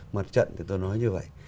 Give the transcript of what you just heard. mặt trận thì tôi nói như vậy